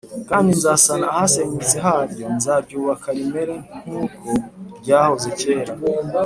kandi nzasana ahasenyutse haryo, nzaryubaka rimere nk’uko ryahoze kera